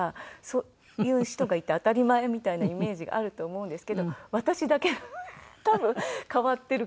そういう人がいて当たり前みたいなイメージがあると思うんですけど私だけが多分変わってる感じ。